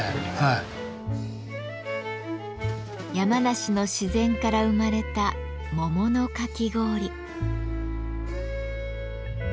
山梨の自然から生まれた桃のかき氷。